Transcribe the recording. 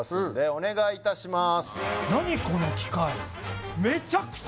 お願いいたします